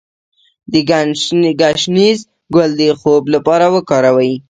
د ګشنیز ګل د خوب لپاره وکاروئ